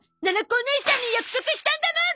おねいさんに約束したんだもん！